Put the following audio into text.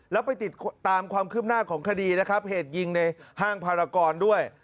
แล้วไปติดตามความคืบหน้าของคดีนะครับเหตุยิงในห้างพารากรด้วย